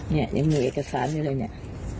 เนี่ยยังมีเอกสารอยู่เลยเนี่ย